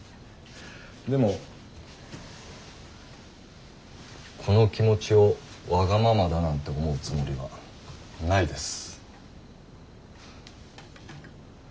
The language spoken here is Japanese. でもこの気持ちをワガママだなんて思うつもりはないです。